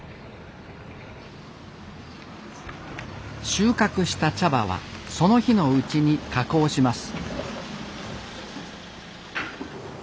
収穫した茶葉はその日のうちに加工します